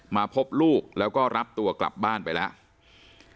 มาพบลูกแล้วก็รับตัวกลับบ้านไปแล้ว